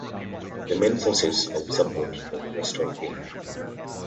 The main sources of support for the Weston A.